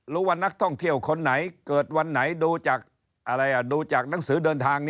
รู้ว่านักท่องเที่ยวคนไหนเกิดวันไหนดูจากหนังสือเดินทาง